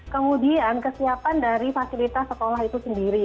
kemudian kesiapan dari fasilitas sekolah itu sendiri